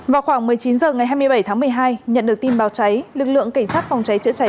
vào khoảng một mươi chín h ngày hai mươi bảy tháng một mươi hai nhận được tin báo cháy lực lượng cảnh sát phòng cháy chữa cháy